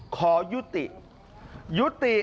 ขอบคุณครับ